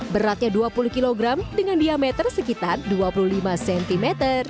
beratnya dua puluh kg dengan diameter sekitar dua puluh lima cm